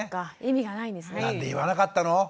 「なんで言わなかったの？